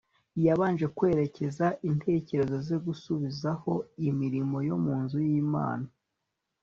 yabanje kwerekeza intekerezo ze gusubizaho imirimo yo mu nzu y'imana